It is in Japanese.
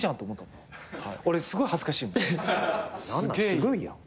すごいやん。